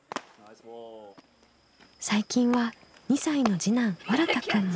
最近は２歳の次男わらたくんも。